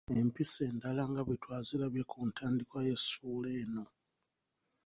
Empisa endala nga bwe twazirabye ku ntandikwa y’essuula eno.